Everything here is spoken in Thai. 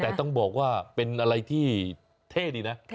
แต่ต้องบอกว่าเป็นอะไรที่เท่ดีนะ